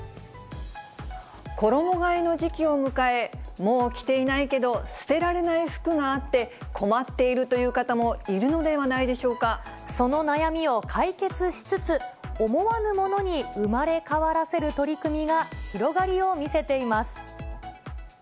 衣がえの時期を迎え、もう着ていないけど、捨てられない服があって、困っているという方もいその悩みを解決しつつ、思わぬものに生まれ変わらせる取り組みが、広がりを見せています。